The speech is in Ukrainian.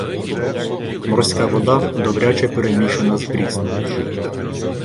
Морська вода добряче перемішана з прісною